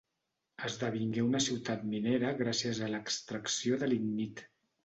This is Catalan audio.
Esdevingué una ciutat minera gràcies a l'extracció de lignit.